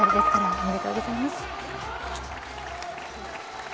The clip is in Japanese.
おめでとうございます。